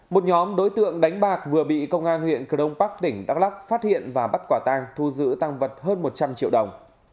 một nhóm đối tượng đánh bạc vừa bị công an huyện crong park tỉnh đắk lắc phát hiện và bắt quả tang thu giữ tăng vật hơn một trăm linh triệu đồng